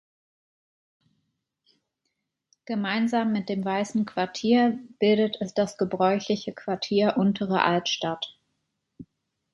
Gemeinsam mit dem Weissen Quartier bildet es das gebräuchliche Quartier Untere Altstadt.